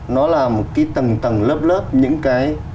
nó là một cái tầng tầng lớp lớp những cái